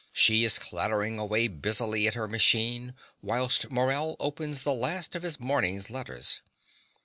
She is clattering away busily at her machine whilst Morell opens the last of his morning's letters.